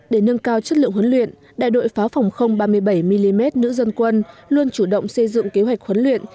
để nâng cao chất lượng huấn luyện đại đội pháo phòng không ba mươi bảy mm nữ dân quân luôn chủ động xây dựng kế hoạch huấn luyện